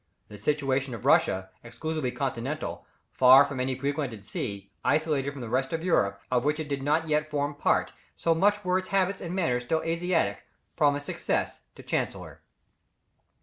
The situation of Russia, exclusively continental, far from any frequented sea, isolated from the rest of Europe, of which it did not yet form part, so much were its habits and manners still Asiatic, promised success to Chancellor. [Illustration: Chancellor received by the Czar.